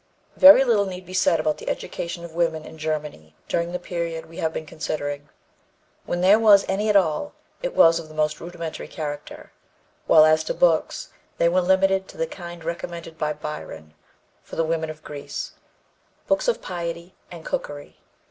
" Very little need be said about the education of women in Germany during the period we have been considering. When there was any at all, it was of the most rudimentary character, while as to books, they were limited to the kind recommended by Byron for the women of modern Greece "books of piety and cookery."